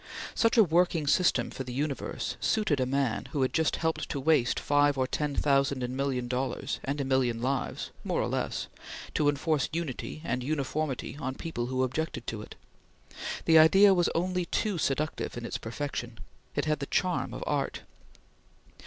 Such a working system for the universe suited a young man who had just helped to waste five or ten thousand million dollars and a million lives, more or less, to enforce unity and uniformity on people who objected to it; the idea was only too seductive in its perfection; it had the charm of art.